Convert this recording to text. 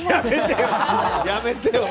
やめてよ！